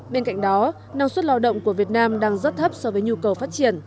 bên cạnh đó năng suất lao động của việt nam đang rất thấp so với nhu cầu phát triển